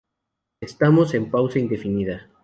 Estamos en una pausa indefinida.